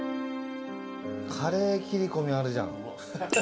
カレーきりこみあるじゃん。